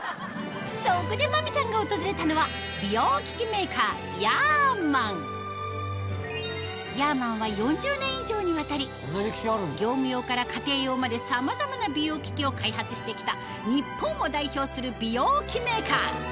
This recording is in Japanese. そこで真美さんが訪れたのは美容機器メーカーヤーマンヤーマンは４０年以上にわたり業務用から家庭用までさまざまな美容機器を開発して来た日本を代表する美容器メーカー